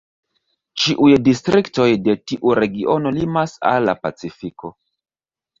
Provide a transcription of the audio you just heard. Ĉiuj distriktoj de tiu regiono limas al la pacifiko.